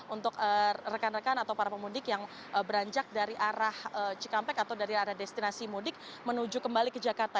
untuk rekan rekan atau para pemudik yang beranjak dari arah cikampek atau dari arah destinasi mudik menuju kembali ke jakarta